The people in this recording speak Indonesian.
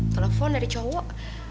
telepon dari cowok